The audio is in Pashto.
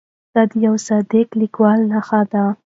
دا د یوه صادق لیکوال نښه ده.